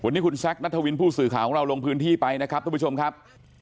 วันนี้คุณแซคนัทวินผู้สื่อข่าวของเราลงพื้นที่ไปนะครับทุกผู้ชมครับ